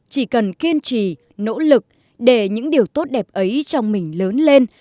chỉ cần kiên trì nỗ lực để những điều tốt đẹp ấy trong mình lớn lên